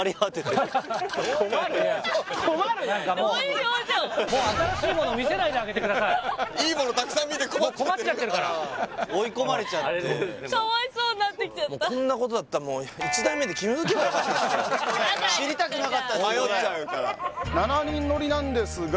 いいものたくさん見て困っちゃってるから追い込まれちゃってこんなことだったらもう知りたくなかったっすよね